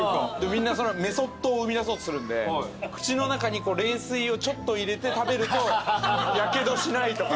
みんなメソッドを生み出そうとするんで口の中に冷水をちょっと入れて食べるとやけどしないとか。